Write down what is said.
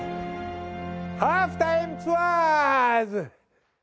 『ハーフタイムツアーズ』！